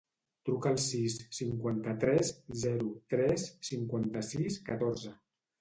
Truca al sis, cinquanta-tres, zero, tres, cinquanta-sis, catorze.